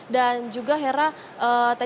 dan juga hera tadi juga mereka sempat menyebutkan